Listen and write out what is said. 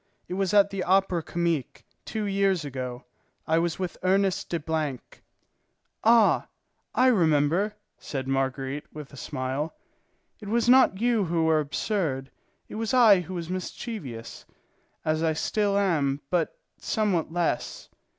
It was at the Opera Comique, two years ago; I was with Ernest de ——." "Ah, I remember," said Marguerite, with a smile. "It was not you who were absurd; it was I who was mischievous, as I still am, but somewhat less.